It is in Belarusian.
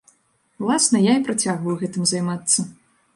Уласна, я і працягваю гэтым займацца.